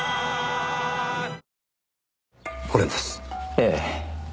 ええ。